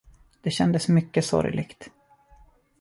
Det kändes mycket sorgligt.